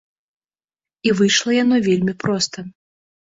І выйшла яно вельмі проста.